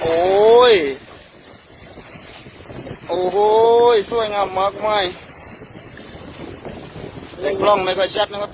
โอ้โหโอ้โหสวยงามมากมายยังลองไม่เข้าชัดนะครับ